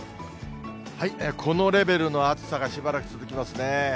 このレベルの暑さがしばらく続きますね。